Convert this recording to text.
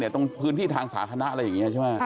ตรงพื้นที่ทางสาธารณะอะไรอย่างนี้ใช่ไหม